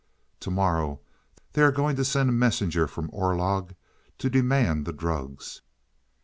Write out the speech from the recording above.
"To morrow they are going to send a messenger from Orlog to demand the drugs?"